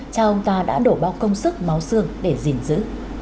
cha ông ta đã đổ bao công sức máu xương để gìn giữ